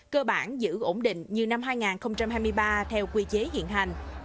cơ bản giữ ổn định như năm hai nghìn hai mươi ba theo quy chế hiện hành